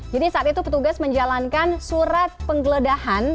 jadi saat itu petugas menjalankan surat penggeledahan